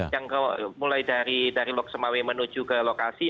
yang mulai dari loksemawe menuju ke lokasi